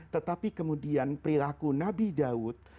tetapi kemudian perilaku nabi daud